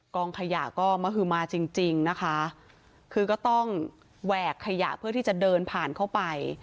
ขยะก็มหือมาจริงจริงนะคะคือก็ต้องแหวกขยะเพื่อที่จะเดินผ่านเข้าไป